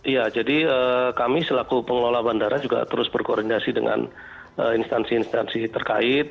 ya jadi kami selaku pengelola bandara juga terus berkoordinasi dengan instansi instansi terkait